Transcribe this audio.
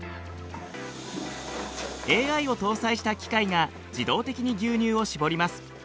ＡＩを搭載した機械が自動的に牛乳を搾ります。